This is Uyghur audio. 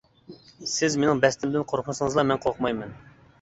-سىز مىنىڭ بەستىمدىن قورقمىسىڭىزلا مەن قورقمايمەن.